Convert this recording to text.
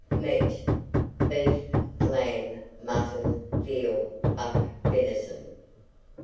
MEAT. Beef, lamb, mutton, veal, buck venison.